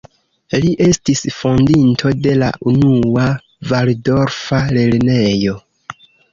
Li estis fondinto de la unua valdorfa lernejo.